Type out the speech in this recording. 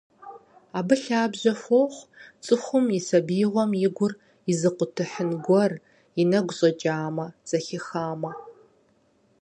Абы лъабжьэ хуохъу цӀыхум и сабиигъуэм и гур изыкъутыхьын гуэр и нэгу щӀэкӀамэ, зэхихамэ.